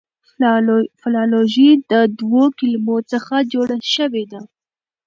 فلالوژي د دوو کلمو څخه جوړه سوې ده.